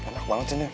enak banget sih ini